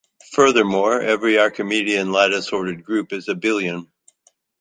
Furthermore, every archimedean lattice-ordered group is abelian.